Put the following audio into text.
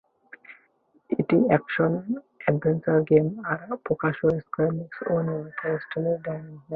এটি action adventure game, যার প্রকাশক স্কয়ার নিক্স এবং নির্মাতা ক্রিস্টাল ডায়নামিক্স।